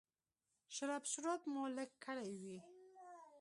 شړپ شړوپ مو لږ کړی وي.